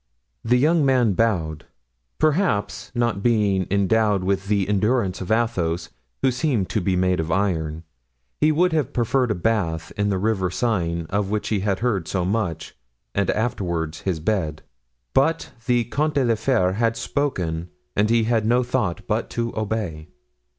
The young man bowed. Perhaps, not being endowed with the endurance of Athos, who seemed to be made of iron, he would have preferred a bath in the river Seine of which he had heard so much, and afterward his bed; but the Comte de la Fere had spoken and he had no thought but to obey.